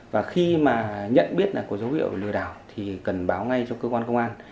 và khi mà nhận biết là có dấu hiệu lừa đảo thì cần báo ngay cho cơ quan công an